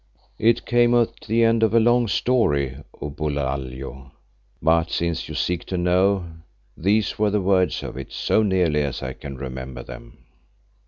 "It came at the end of a long story, O Bulalio. But since you seek to know, these were the words of it, so nearly as I can remember them."